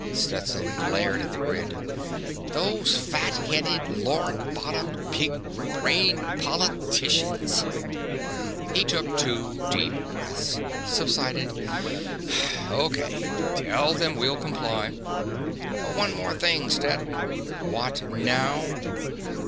Stetson glared at the grid. "Those fat headed, lard bottomed, pig brained ... POLITICIANS!" He took two deep breaths, subsided. "O.K. Tell them we'll comply." "One more thing, Stet." "What now?"